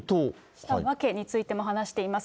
した訳についても話しています。